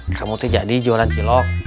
kamu tuh jadi jualan cilok